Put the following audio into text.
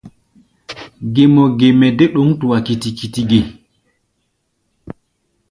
Gé mɔ ge mɛ dé ɗǒŋ tua kiti-kiti ge?